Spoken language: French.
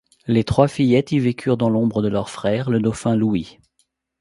Les trois fillettes y vécurent dans l'ombre de leur frère le dauphin Louis.